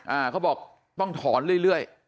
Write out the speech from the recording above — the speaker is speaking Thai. อ่าเขาบอกต้องถอนเรื่อย